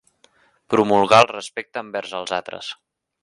Promulgar el respecte envers els altres.